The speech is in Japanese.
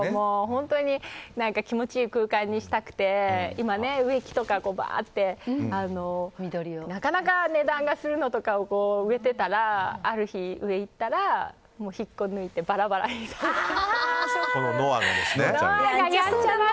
気持ちいい空間にしたくて今、植木とかバーッてなかなか値段がするのとかを植えてたら、ある日、上行ったらもう引っこ抜いてバラバラにされちゃった。